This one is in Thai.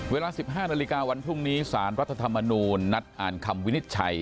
เวลา๑๕นาฬิกาวันพรุ่งนี้สารรัฐธรรมนูญนัดอ่านคำวินิจฉัย